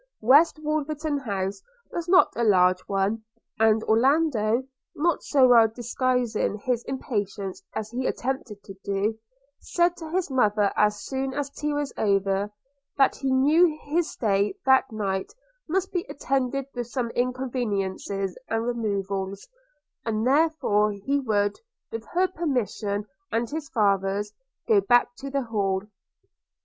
West Wolverton house was not a large one; and Orlando, not so well disguising his impatience as he attempted to do, said to his mother as soon as tea was over, that he knew his stay that night must be attended with some inconveniencies and removals, and therefore he would, with her permission and his father's, go back to the Hall.